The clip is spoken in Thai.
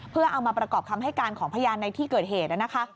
เพื่อเอามาประกอบคำให้การของพยานในที่เกิดเหตุนะคะ